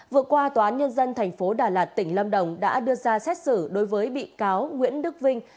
vừa qua tòa án nhân dân tp đà lạt tỉnh lâm đồng đã đưa ra xét xử đối với bị cáo nguyễn đức vinh